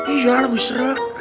iya lebih seru